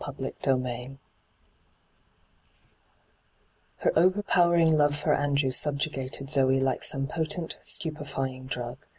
hyGoogIc CHAPTEK IX Her overpowering love for Andrew aubjugated Zoe like some potent, stupefying drug.